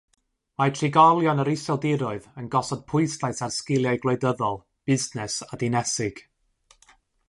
Mae trigolion yr Iseldiroedd yn gosod pwyslais ar sgiliau gwleidyddol, busnes a dinesig.